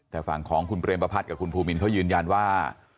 แต่ฟังของคุณเบรมพรัทกับคุณพูมินเค้ายืนยันว่า